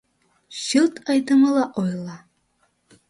Чылт айдемыла ойла: